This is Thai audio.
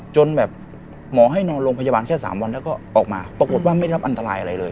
จนแบบหมอให้นอนโรงพยาบาลแค่๓วันแล้วก็ออกมาปรากฏว่าไม่ได้รับอันตรายอะไรเลย